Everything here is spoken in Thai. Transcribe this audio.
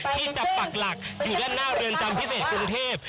ที่จะปักหลักอยู่ด้านหน้าเรือนจำพิเศษกรุงเทพ